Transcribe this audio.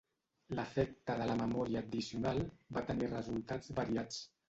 L'efecte de la memòria addicional va tenir resultats variats.